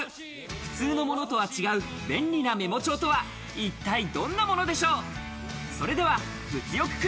普通のものとは違う、便利なメモ帳とは一体どんなものでしょう？